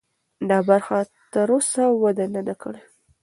دا برخه تراوسه وده نه ده کړې.